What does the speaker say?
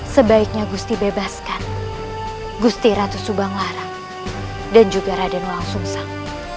sebaiknya gusti bebaskan gusti ratu subang lara dan juga raden langsung sang